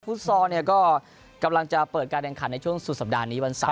ฟุตซอร์กำลังจะเปิดการแดงขันในช่วงสุดสัปดาห์นี้วัน๓